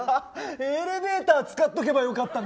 エレベーター使っておけばよかったね。